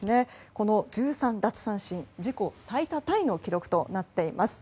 この１３奪三振、自己最多タイの記録となっています。